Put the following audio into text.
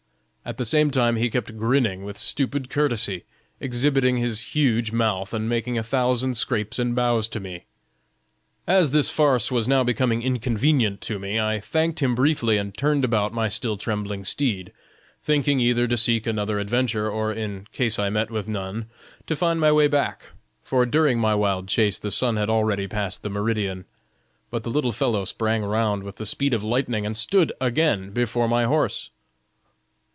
At the same time he kept grinning with stupid courtesy, exhibiting his huge mouth, and making a thousand scrapes and bows to me. As this farce was now becoming inconvenient to me, I thanked him briefly and turned about my still trembling steed, thinking either to seek another adventure, or in case I met with none, to find my way back, for during my wild chase the sun had already passed the meridian; but the little fellow sprang round with the speed of lightning and stood again before my horse.